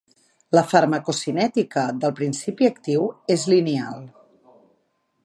La farmacocinètica del principi actiu és lineal.